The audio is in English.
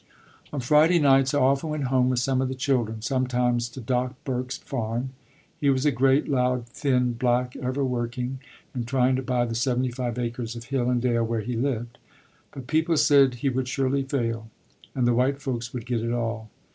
On Friday nights I often went home with some of the children, sometimes to Doc Burke's farm. He was a great, loud, thin Black, ever working, and trying to buy the seventy five acres of hill and dale where he lived; but people said that he would surely fail, and the "white folks would get it all."